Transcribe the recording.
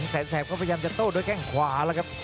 แสนแทรฟก็พยายามจะโตด้วยแค่ของขวา